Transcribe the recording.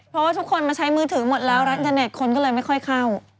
เพราะว่าทุกคนมาใช้มือถือหมดแล้วรัฐอินเทอร์เน็ตคนก็เลยไม่ค่อยเข้า